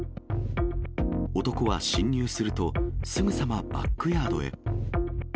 男は侵入すると、すぐさまバックヤードへ。